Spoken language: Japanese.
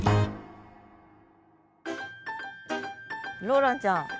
ローランちゃん